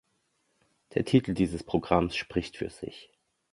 Der Titel dieses Programms spricht für sich.